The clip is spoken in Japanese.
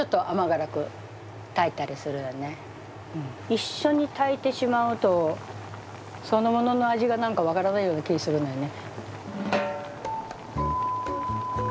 一緒に炊いてしまうとそのものの味が何か分からないような気ぃするのよね。